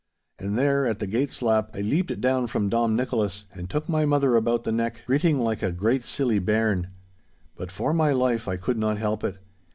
And there, at the gate slap, I leaped down from Dom Nicholas and took my mother about the neck, greeting like a great silly bairn. But for my life I could not help it.